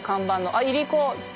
あっいりこ。